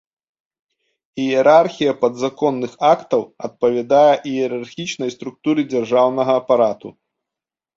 Іерархія падзаконных актаў адпавядае іерархічнай структуры дзяржаўнага апарату.